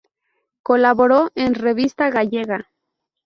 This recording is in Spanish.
Colaboró en "Revista Gallega.